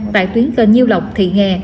tại tuyến cơn nhiêu lộc thị nghè